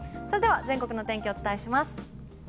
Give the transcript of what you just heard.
それでは全国の天気をお伝えします。